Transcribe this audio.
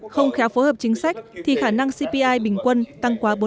không khéo phối hợp chính sách thì khả năng cpi bình quân tăng quá bốn